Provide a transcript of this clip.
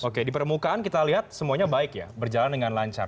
oke di permukaan kita lihat semuanya baik ya berjalan dengan lancar